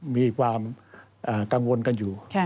มีความกังวลกันอยู่